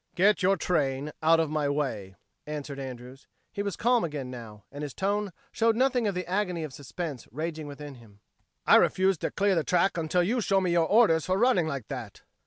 "Get your train out of my way," answered Andrews. He was calm again now, and his tone showed nothing of the agony of suspense raging within him. "I refuse to clear the track until you show me your orders for running like that."